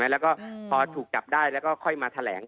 แล้วก็พอถูกจับได้แล้วก็ค่อยมาแถลง